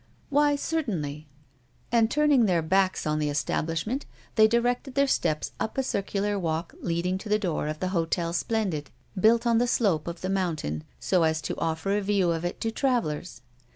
"Why, certainly." And, turning their backs on the establishment, they directed their steps up a circular walk leading to the door of the Hotel Splendid, built on the slope of the mountain so as to offer a view of it to travelers.